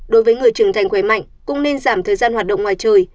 đối với người trưởng thành khỏe mạnh cũng nên giảm thời gian hoạt động ngoài trời